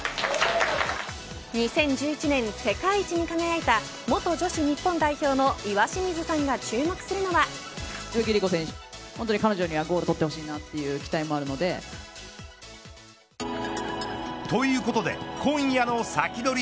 ２０１１年世界一に輝いた元女子日本代表の岩清水さんが注目するのは。ということで今夜のサキドリ！